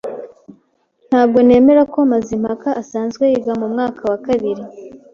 Ntabwo nemera ko Mazimpaka asanzwe yiga mu mwaka wa kabiri.